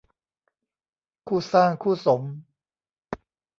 คู่สร้างคู่สม